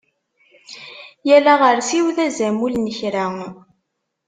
Yal aɣersiw d azamul n kra.